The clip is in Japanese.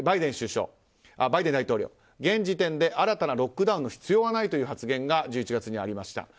バイデン大統領現時点で新たなロックダウンの必要はないという発言が１１月にありました。